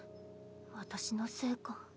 私のせいか。